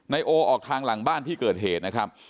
โอออกทางหลังบ้านที่เกิดเหตุนะครับ